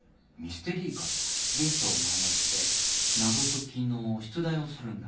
ゲストを招いて謎解きの出題をするんだ。